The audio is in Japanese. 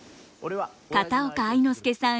片岡愛之助さん